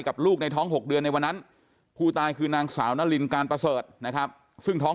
ลูกในท้อง๖เดือนในวันนั้นผู้ตายคือนางสาวนารินการประเสริฐนะครับซึ่งท้อง